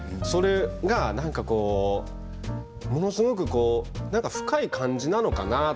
それが、なんかこう、ものすごく深い感じなのかな